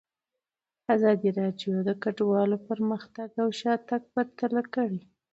ازادي راډیو د کډوالو پرمختګ او شاتګ پرتله کړی.